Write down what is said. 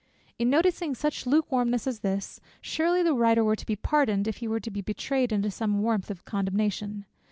In noticing such lukewarmness as this, surely the writer were to be pardoned, if he were to be betrayed into some warmth of condemnation.